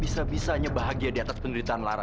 bisa bisanya bahagia di atas penderitaan lara